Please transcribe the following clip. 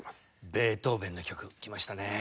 ベートーヴェンの曲きましたねえ。